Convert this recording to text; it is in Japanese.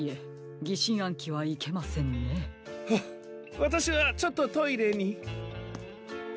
わたしはちょっとトイレに。